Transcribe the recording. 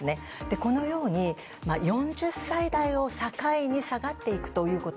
このように、４０歳代を境に下がっていくということ。